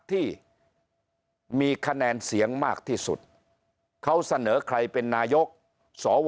ที่มีคะแนนเสียงมากที่สุดเขาเสนอใครเป็นนายกสว